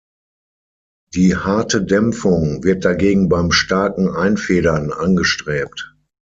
Die harte Dämpfung wird dagegen beim starken Einfedern angestrebt.